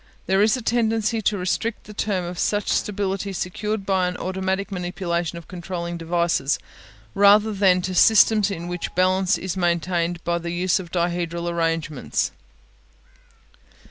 There is a tendency to restrict the term to such stability secured by automatic manipulation of controlling devices, rather than to systems in which balance is maintained by the use of dihedral arrangements.